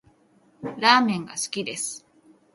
ラーメンが好きです